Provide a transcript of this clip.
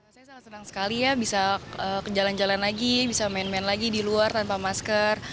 saya sangat senang sekali ya bisa ke jalan jalan lagi bisa main main lagi di luar tanpa masker